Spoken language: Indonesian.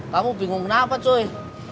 kamu bingung kenapa cuy